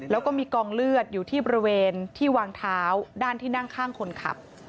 แล้วก็มีกองเลือดอยู่ที่บริเวณที่วางเท้าด้านที่นั่งข้างคนขับ